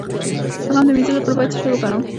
د غم د مینځلو لپاره باید څه شی وکاروم؟